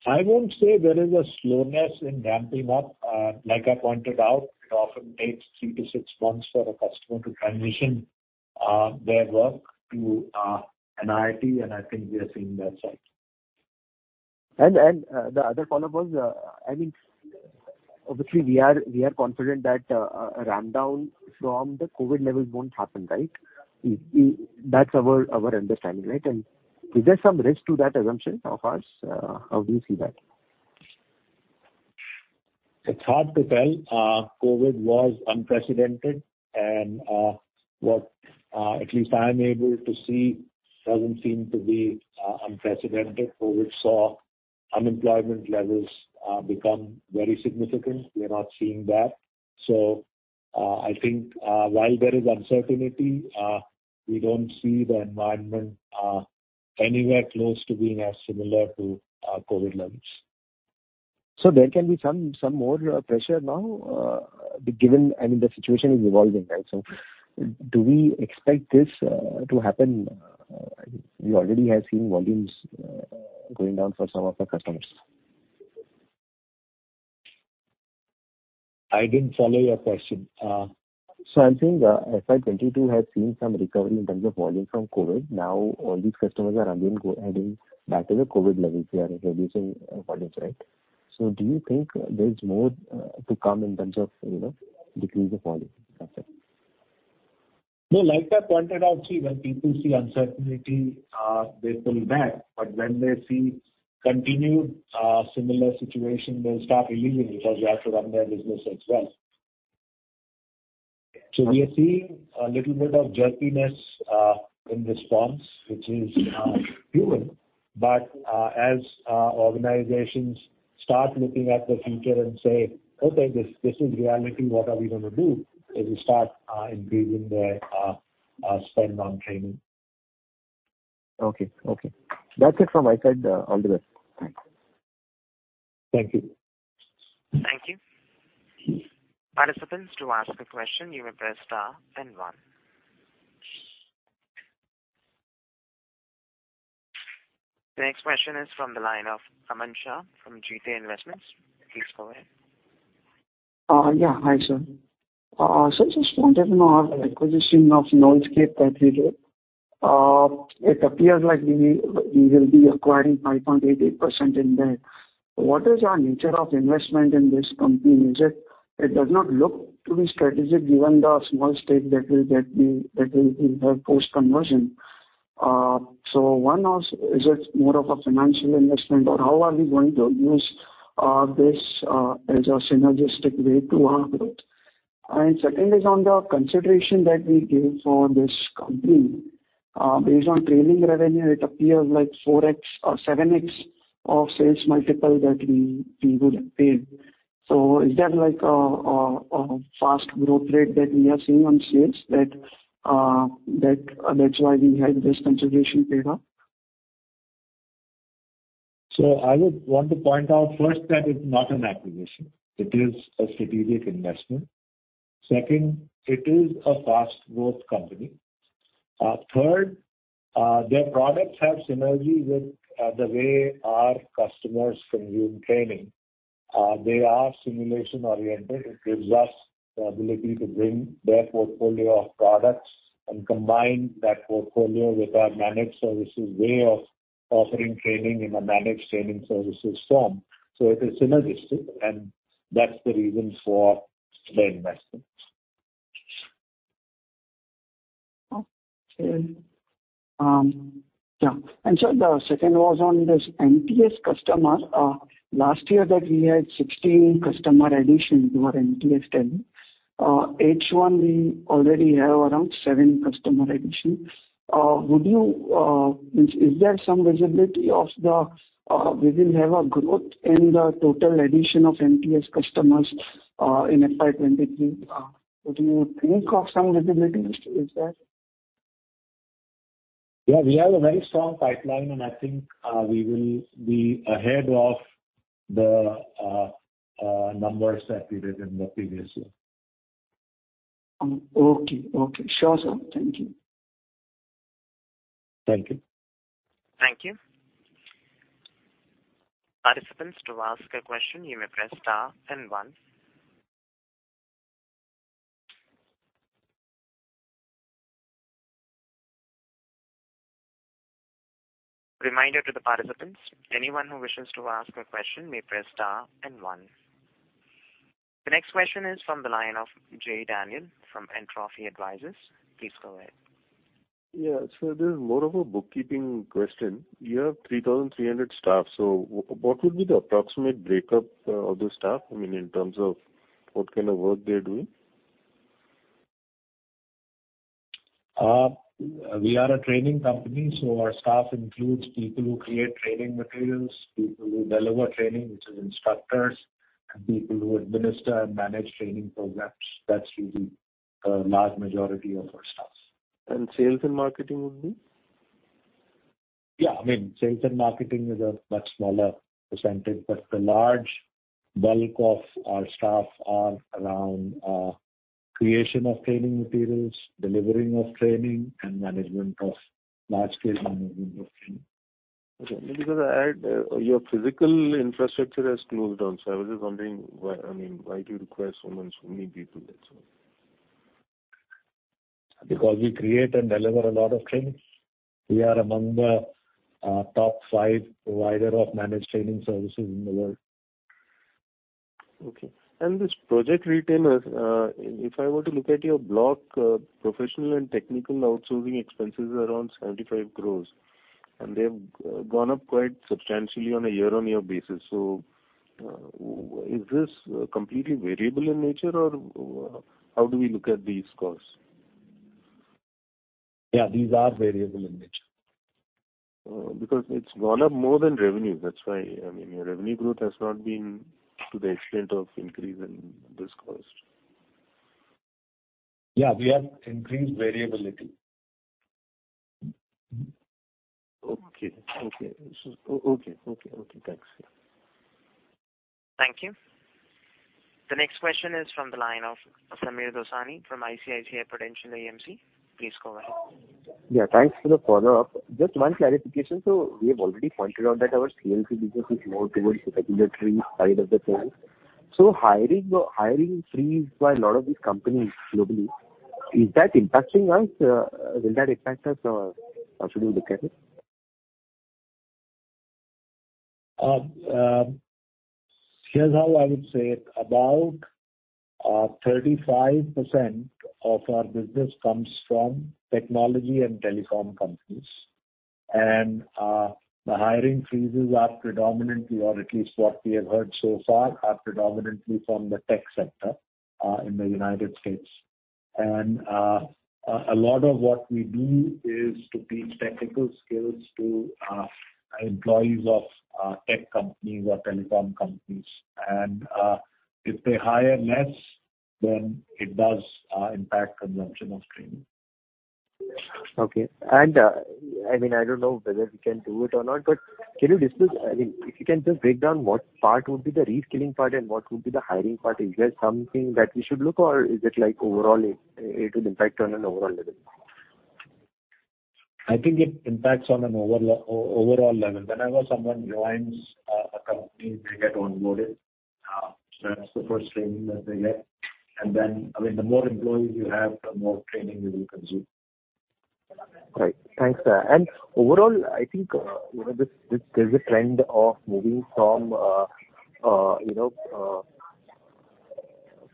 Speaker 3: I won't say there is a slowness in ramping up. Like I pointed out, it often takes three-six months for a customer to transition their work to a NIIT, and I think we are seeing that cycle.
Speaker 9: The other follow-up was, I mean, obviously we are confident that a ramp down from the COVID levels won't happen, right? That's our understanding, right? Is there some risk to that assumption of ours? How do you see that?
Speaker 3: It's hard to tell. COVID was unprecedented and what at least I'm able to see doesn't seem to be unprecedented. COVID saw unemployment levels become very significant. We are not seeing that. I think while there is uncertainty we don't see the environment anywhere close to being as similar to COVID levels.
Speaker 9: There can be some more pressure now, given I mean, the situation is evolving, right? Do we expect this to happen? We already have seen volumes going down for some of the customers.
Speaker 3: I didn't follow your question.
Speaker 9: I'm saying, FY 2022 has seen some recovery in terms of volume from COVID. Now all these customers are again heading back to the COVID levels. They are reducing volumes, right? Do you think there's more to come in terms of, you know, decrease of volume aspect?
Speaker 3: No, like I pointed out, see, when people see uncertainty, they pull back, but when they see continued similar situation, they'll start releasing because they have to run their business as well. We are seeing a little bit of jerkiness in response, which is human. As organizations start looking at the future and say, "Okay, this is reality, what are we gonna do?" They will start increasing their spend on training.
Speaker 9: Okay. That's it from my side. All the best. Thanks.
Speaker 3: Thank you.
Speaker 1: Thank you. Participants, to ask a question, you may press star then one. The next question is from the line of Aman Shah from GTA Investments. Please go ahead.
Speaker 10: Hi, sir. Since this pertains to our acquisition of KNOLSKAPE that we did, it appears like we will be acquiring 5.88% in there. What is our nature of investment in this company? It does not look to be strategic given the small stake that will help post-conversion. One is it more of a financial investment or how are we going to use this as a synergistic way to our growth? Second is on the consideration that we gave for this company. Based on trailing revenue, it appears like 4x or 7x of sales multiple that we would have paid. Is there like a fast growth rate that we are seeing on sales that that's why we have this consideration paid up?
Speaker 3: I would want to point out first that it's not an acquisition. It is a strategic investment. Second, it is a fast growth company. Third, their products have synergy with the way our customers consume training. They are simulation-oriented. It gives us the ability to bring their portfolio of products and combine that portfolio with our managed services way of offering training in a managed training services form. It is synergistic, and that's the reason for the investment.
Speaker 10: Okay. Yeah. Sir, the second was on this MTS customer. Last year that we had 16 customer addition to our MTS 10. H1 we already have around seven customer addition. Is there some visibility of the we will have a growth in the total addition of MTS customers in FY 2023? Would you think of some visibility is there?
Speaker 3: Yeah. We have a very strong pipeline, and I think, we will be ahead of the numbers that we did in the previous year.
Speaker 10: Okay. Sure, sir. Thank you.
Speaker 3: Thank you.
Speaker 1: Thank you. Participants, to ask a question, you may press star then one. Reminder to the participants, anyone who wishes to ask a question may press star and one. The next question is from the line of Jay Daniel from Entropy Advisors. Please go ahead.
Speaker 11: Yeah. This is more of a bookkeeping question. You have 3,300 staff. What would be the approximate breakup of the staff, I mean, in terms of what kind of work they're doing?
Speaker 3: We are a training company, so our staff includes people who create training materials, people who deliver training, which is instructors, and people who administer and manage training programs. That's really a large majority of our staff.
Speaker 11: Sales and marketing would be?
Speaker 3: Yeah. I mean, sales and marketing is a much smaller percentage, but the large bulk of our staff are around creation of training materials, delivering of training, and management of large-scale training.
Speaker 11: Okay. Maybe because I had, your physical infrastructure has closed down. I was just wondering why, I mean, why do you require so much, so many people then, sir?
Speaker 3: Because we create and deliver a lot of trainings. We are among the top five provider of managed training services in the world.
Speaker 11: Okay. This project retainers, if I were to look at your books, professional and technical outsourcing expenses are around 75 crores, and they've gone up quite substantially on a year-on-year basis. Is this completely variable in nature or how do we look at these costs?
Speaker 3: Yeah, these are variable in nature.
Speaker 11: Because it's gone up more than revenue. That's why, I mean, your revenue growth has not been to the extent of increase in this cost.
Speaker 3: Yeah. We have increased variability.
Speaker 11: Okay, thanks.
Speaker 1: Thank you. The next question is from the line of Sameer Dosani from ICICI Prudential AMC. Please go ahead.
Speaker 9: Yeah, thanks for the follow-up. Just one clarification. We have already pointed out that our CLG business is more towards the regulatory side of the thing. Hiring or hiring freeze by a lot of these companies globally, is that impacting us? Will that impact us or how should we look at it?
Speaker 3: Here's how I would say it. About 35% of our business comes from technology and telecom companies. The hiring freezes are predominantly, or at least what we have heard so far, are predominantly from the tech sector in the United States. A lot of what we do is to teach technical skills to employees of tech companies or telecom companies. If they hire less, then it does impact consumption of training.
Speaker 9: Okay. I mean, I don't know whether you can do it or not, but can you discuss I mean, if you can just break down what part would be the reskilling part and what would be the hiring part. Is there something that we should look or is it like overall it will impact on an overall level?
Speaker 3: I think it impacts on an overall level. Whenever someone joins a company, they get onboarded. So that's the first training that they get. Then, I mean, the more employees you have, the more training you will consume.
Speaker 9: Right. Thanks, sir. Overall, I think there's a trend of moving from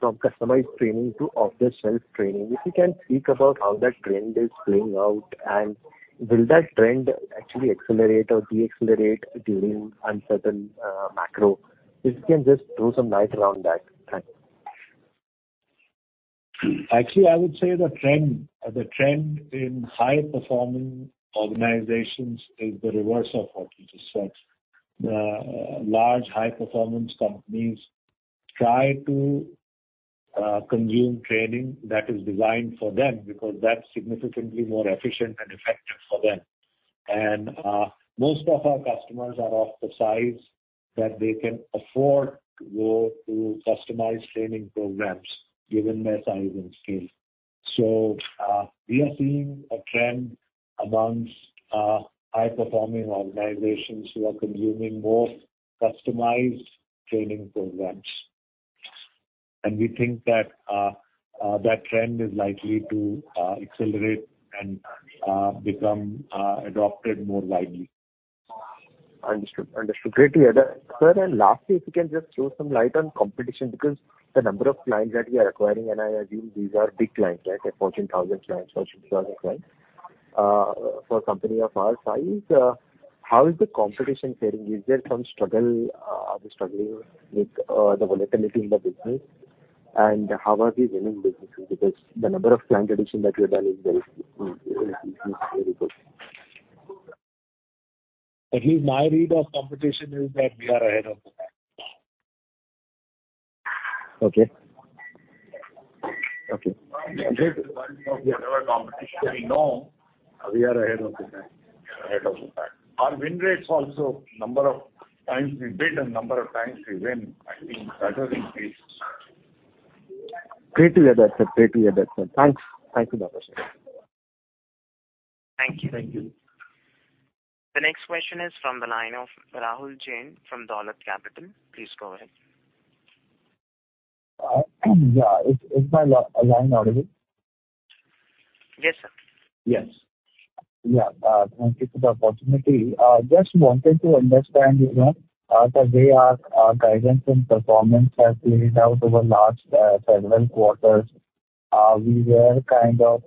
Speaker 9: customized training to off-the-shelf training. If you can speak about how that trend is playing out, and will that trend actually accelerate or decelerate during uncertain macro? If you can just throw some light around that. Thanks.
Speaker 3: Actually, I would say the trend in high-performing organizations is the reverse of what you just said. The large high-performance companies try to consume training that is designed for them because that's significantly more efficient and effective for them. Most of our customers are of the size that they can afford to go to customized training programs given their size and scale. We are seeing a trend amongst high-performing organizations who are consuming more customized training programs. We think that that trend is likely to accelerate and become adopted more widely.
Speaker 9: Understood. Great to hear that. Sir, lastly, if you can just throw some light on competition, because the number of clients that we are acquiring, and I assume these are big clients, right? 14,000 clients, 15,000 clients. For a company of our size, how is the competition faring? Is there some struggle? Are they struggling with the volatility in the business? How are we winning businesses? Because the number of client addition that you've done is very good.
Speaker 3: At least my read of competition is that we are ahead of the pack.
Speaker 9: Okay. Okay.
Speaker 3: Of the other competition we know, we are ahead of the pack. Our win rates also, number of times we bid and number of times we win, I think that has increased.
Speaker 9: Great to hear that, sir. Thanks. Thank you, [much].
Speaker 1: Thank you.
Speaker 9: Thank you.
Speaker 1: The next question is from the line of Rahul Jain from Dolat Capital. Please go ahead.
Speaker 12: Yeah. Is my line audible?
Speaker 1: Yes, sir.
Speaker 12: Yes. Yeah. Thank you for the opportunity. Just wanted to understand, you know, the way our guidance and performance has played out over last several quarters. We were kind of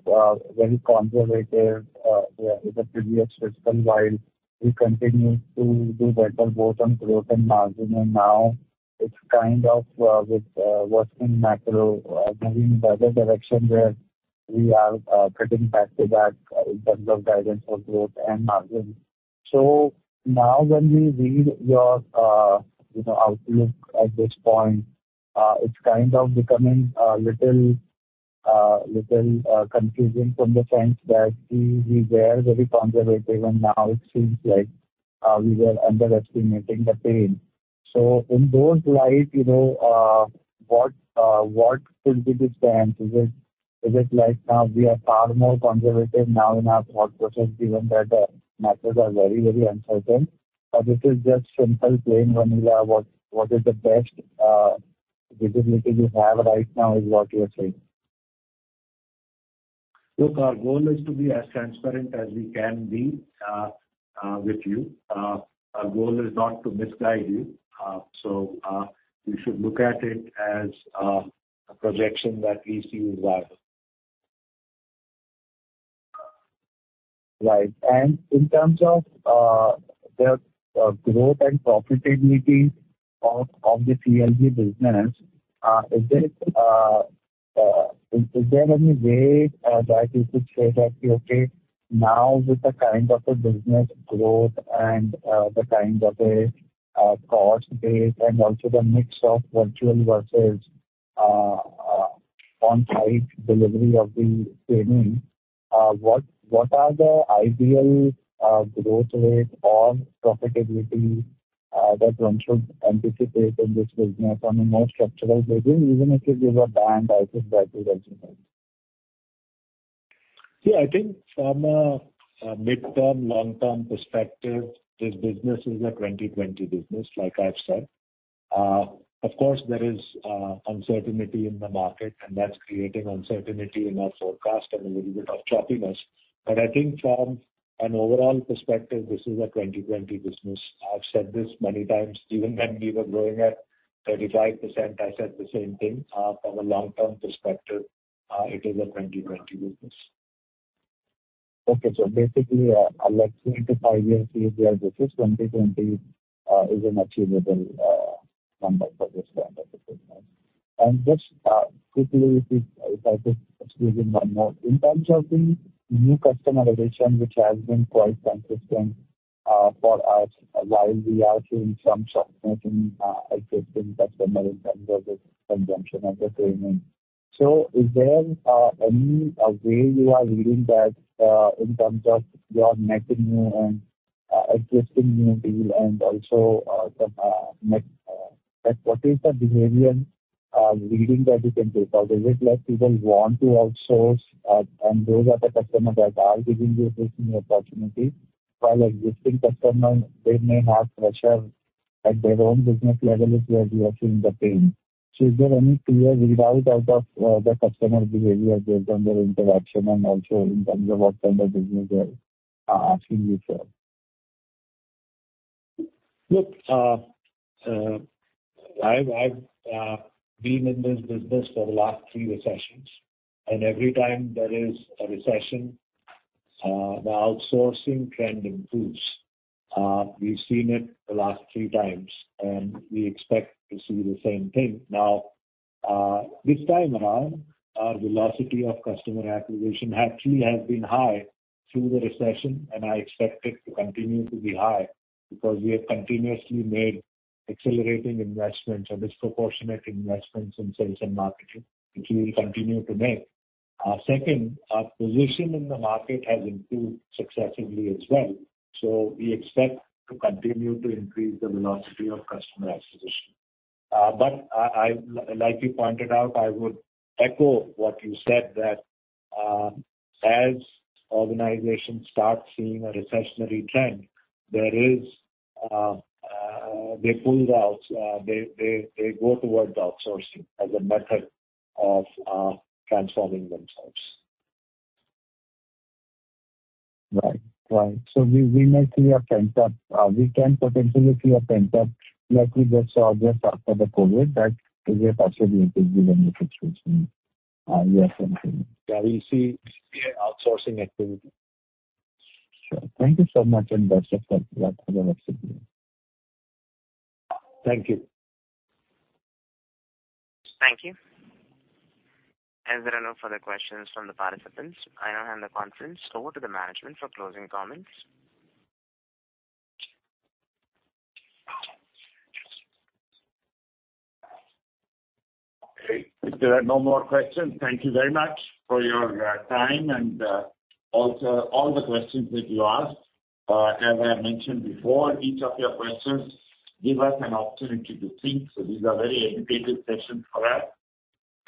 Speaker 12: very conservative, you know, in the previous fiscal while we continued to do better both on growth and margin. Now it's kind of with worsening macro moving the other direction where we are cutting back to back in terms of guidance for growth and margin. Now when we read your, you know, outlook at this point, it's kind of becoming a little confusion in the sense that we were very conservative and now it seems like we were underestimating the pain. In that light, you know, what should we understand? Is it like now we are far more conservative now in our thought process given that macros are very, very uncertain? Or this is just simple plain vanilla, what is the best visibility you have right now is what you are saying?
Speaker 3: Look, our goal is to be as transparent as we can be with you. Our goal is not to misguide you. You should look at it as a projection that we see is viable.
Speaker 12: Right. In terms of the growth and profitability of the CLG business, is there any way that you could say that, okay, now with the kind of a business growth and the kind of a cost base, and also the mix of virtual versus on-site delivery of the training, what are the ideal growth rate or profitability that one should anticipate in this business on a more structural basis, even if you give a band, I think that will also help.
Speaker 3: See, I think from a midterm, long-term perspective, this business is a 20/20 business, like I've said. Of course there is uncertainty in the market, and that's creating uncertainty in our forecast and a little bit of choppiness. I think from an overall perspective, this is a 20/20 business. I've said this many times. Even when we were growing at 35%, I said the same thing. From a long-term perspective, it is a 20/20 business.
Speaker 12: Okay. Basically a three-five-year view here, this is 20/20, is an achievable number for this kind of a business. Just quickly, if I could squeeze in one more. In terms of the new customer acquisition, which has been quite consistent for us while we are seeing some churn rate in existing customers in terms of the consumption of the training. Is there any way you are reading that in terms of your net new and existing new deal and also some net like what is the behavior reading that you can take? Is it like people want to outsource, and those are the customers that are giving you this new opportunity, while existing customers, they may have pressure at their own business level is where we are seeing the pain? Is there any clear readout out of the customer behavior based on their interaction and also in terms of what kind of business they are asking you for?
Speaker 3: Look, I've been in this business for the last three recessions, and every time there is a recession, the outsourcing trend improves. We've seen it the last three times, and we expect to see the same thing. Now, this time around our velocity of customer acquisition actually has been high through the recession, and I expect it to continue to be high because we have continuously made accelerating investments or disproportionate investments in sales and marketing, which we will continue to make. Second, our position in the market has improved successively as well. We expect to continue to increase the velocity of customer acquisition. Like you pointed out, I would echo what you said, that as organizations start seeing a recessionary trend, they pull out. They go towards outsourcing as a method of transforming themselves.
Speaker 12: Right. We can potentially see a pent-up like we just saw just after the COVID, that is a possibility given the situation we are seeing.
Speaker 3: Yeah. We see clear outsourcing activity.
Speaker 12: Sure. Thank you so much, and best of luck for the rest of the year.
Speaker 3: Thank you.
Speaker 1: Thank you. As there are no further questions from the participants, I now hand the conference over to the management for closing comments.
Speaker 2: Okay. If there are no more questions, thank you very much for your time and also all the questions that you asked. As I mentioned before, each of your questions give us an opportunity to think. These are very educative sessions for us.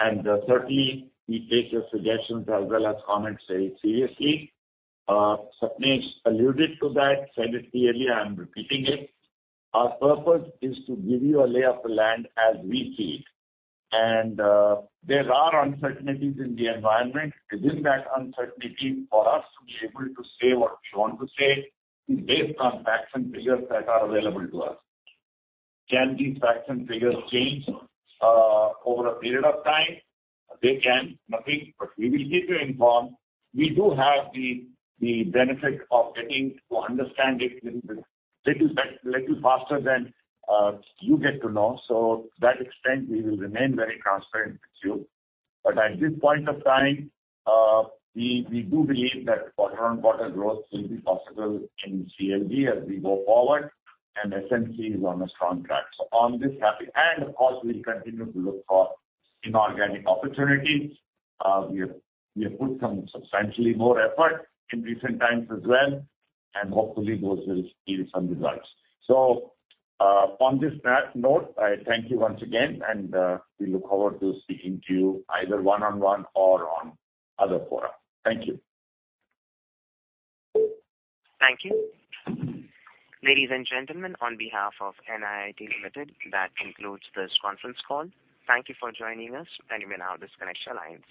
Speaker 2: Certainly we take your suggestions as well as comments very seriously. Sapnesh Lalla alluded to that, said it clearly, I'm repeating it. Our purpose is to give you a lay of the land as we see it. There are uncertainties in the environment. It is that uncertainty for us to be able to say what we want to say based on facts and figures that are available to us. Can these facts and figures change over a period of time? They can. Nothing. We will keep you informed. We do have the benefit of getting to understand it a little bit faster than you get to know. To that extent, we will remain very transparent with you. At this point of time, we do believe that quarter-over-quarter growth will be possible in CLG as we go forward, and SNC is on a strong track. Of course, we continue to look for inorganic opportunities. We have put some substantially more effort in recent times as well, and hopefully those will yield some results. On that note, I thank you once again, and we look forward to speaking to you either one-on-one or on other fora. Thank you.
Speaker 1: Thank you. Ladies and gentlemen, on behalf of NIIT Limited, that concludes this conference call. Thank you for joining us. You may now disconnect your lines.